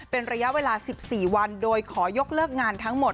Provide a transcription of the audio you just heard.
เป็นระยะเวลา๑๔วันโดยขอยกเลิกงานทั้งหมด